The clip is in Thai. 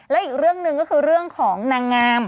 และอีกเรื่องหนึ่งก็คือเรื่องของนางงาม